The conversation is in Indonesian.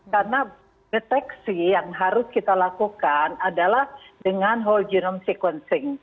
karena deteksi yang harus kita lakukan adalah dengan whole genome sequencing